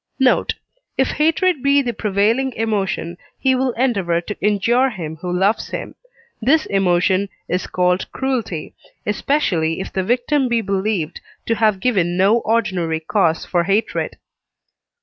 Note. If hatred be the prevailing emotion, he will endeavour to injure him who loves him; this emotion is called cruelty, especially if the victim be believed to have given no ordinary cause for hatred.